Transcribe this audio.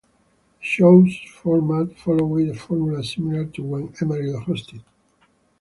The show's format followed a formula similar to when Emeril hosted.